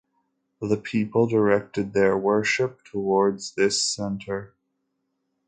The people directed their worship toward this center.